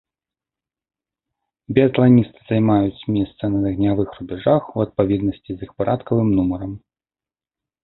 Біятланісты займаюць месца на агнявых рубяжах у адпаведнасці з іх парадкавым нумарам.